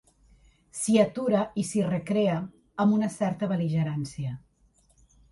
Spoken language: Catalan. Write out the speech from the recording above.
S'hi atura i s'hi recrea amb una certa bel·ligerància.